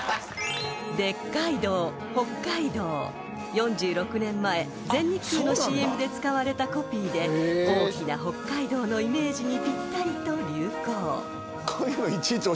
［４６年前全日空のＣＭで使われたコピーで大きな北海道のイメージにぴったりと流行］